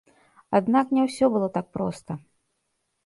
Аднак не ўсё было так проста.